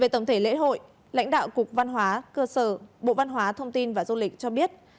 về tổng thể lễ hội lãnh đạo cục văn hóa cơ sở bộ văn hóa thông tin và du lịch cho biết